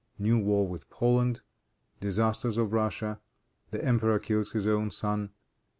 New War with Poland. Disasters of Russia. The Emperor Kills His Own Son.